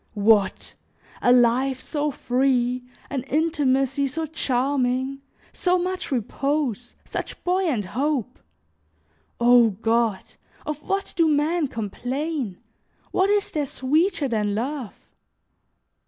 What! a life so free, an intimacy so charming, so much repose, such buoyant hope! O God! Of what do men complain? What is there sweeter than love?